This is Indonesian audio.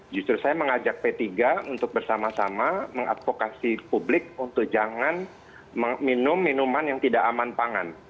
justru saya mengajak p tiga untuk bersama sama mengadvokasi publik untuk jangan minum minuman yang tidak aman pangan